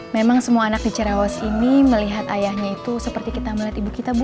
memang semua anak di cerawas ini melihat ayahnya itu seperti kita melihat ibu kita